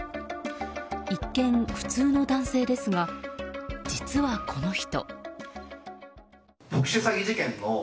一見、普通の男性ですが実は、この人。